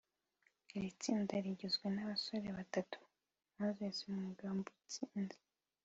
Iri tsinda rigizwe n’abasore batatu (Moses Mungabutsinze